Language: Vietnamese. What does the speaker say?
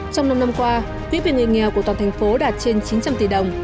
trong năm năm qua quý vị người nghèo của toàn thành phố đạt trên chín trăm linh tỷ đồng